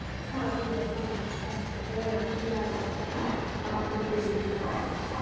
Ssaabasajja Kabaka ye Ssaabataka era y'akulira abataka abakulira ebika.